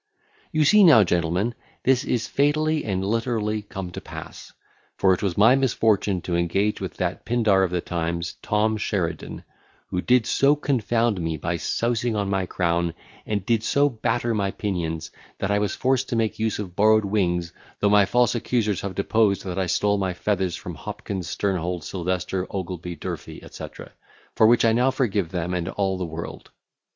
You see now, Gentlemen, this is fatally and literally come to pass; for it was my misfortune to engage with that Pindar of the times, Tom Sheridan, who did so confound me by sousing on my crown, and did so batter my pinions, that I was forced to make use of borrowed wings, though my false accusers have deposed that I stole my feathers from Hopkins, Sternhold, Silvester, Ogilby, Durfey, etc., for which I now forgive them and all the world.